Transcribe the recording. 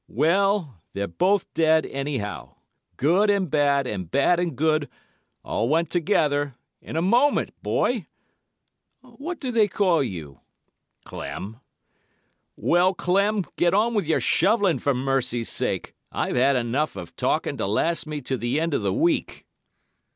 Well, they're both dead, anyhow—good and bad, and bad and good—all went together—in a moment, boy! What do they call you?' "'Clem.' "'Well, Clem, get on with your shovelling for mercy's sake. I've had enough of talking to last me to the end of the week.